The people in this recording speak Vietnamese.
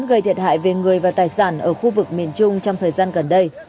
gây thiệt hại về người và tài sản ở khu vực miền trung trong thời gian gần đây